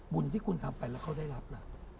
บุญที่คุณทำไปแล้วเขาได้รับล่ะ